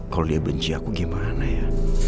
kalau dia benci aku gimana ya